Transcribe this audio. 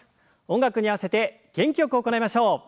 音楽に合わせて元気よく行いましょう。